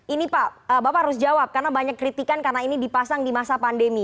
ini pak bapak harus jawab karena banyak kritikan karena ini dipasang di masa pandemi